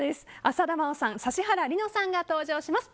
浅田真央さん、指原莉乃さんが登場します。